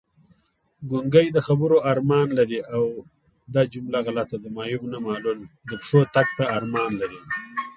ګونګی د خبرو ارمان لري او معیوب پښو تګ ارمان لري!